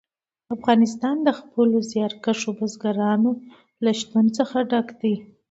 افغانستان د خپلو زیارکښو بزګانو له شتون څخه ډک دی.